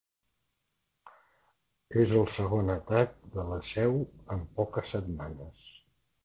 És el segon atac de la seu en poques setmanes.